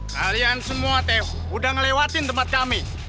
kalian semua teo udah ngelewatin tempat kami